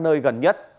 nơi gần nhất